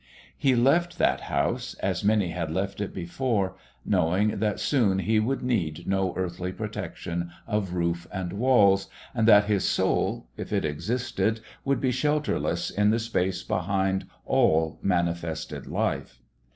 He left that house, as many had left it before, knowing that soon he would need no earthly protection of roof and walls, and that his soul, if it existed, would be shelterless in the space behind all manifested life.